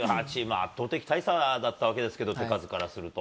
圧倒的大差だったわけですけど、手数からすると。